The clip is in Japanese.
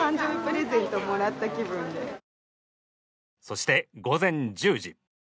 そして、午前１０時。